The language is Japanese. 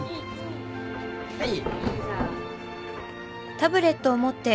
はい。